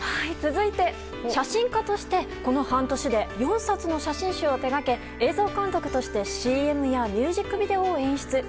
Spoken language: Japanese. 続いて写真家としてこの半年で４冊の写真集を手掛け映像監督としてＣＭやミュージックビデオを演出。